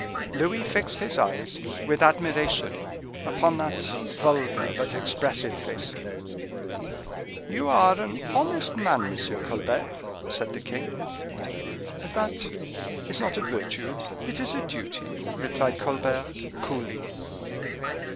Louis fixed his eyes with admiration upon that vulgar but expressive face. "You are an honest man, M. Colbert," said the king. "That is not a virtue, it is a duty," replied Colbert, coolly.